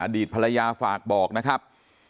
ดีตภรรยาฝากบอกนะครับ